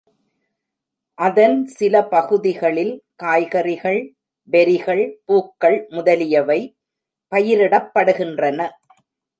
அதன் சில பகுதிகளில் காய்கறிகள், பெரிகள், பூக்கள் முதலியவை பயிரிடப்படுகின்றன.